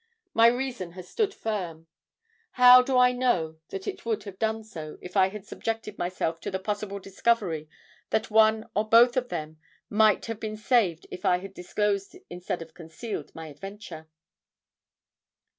My reason has stood firm; how do I know that it would have done so if I had subjected myself to the possible discovery that one or both of them might have been saved if I had disclosed instead of concealed my adventure."